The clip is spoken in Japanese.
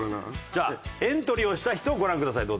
じゃあエントリーをした人をご覧ください。